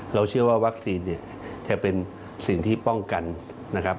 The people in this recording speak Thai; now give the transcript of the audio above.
เราเชื่อว่าวัคซีนเนี่ยจะเป็นสิ่งที่ป้องกันนะครับ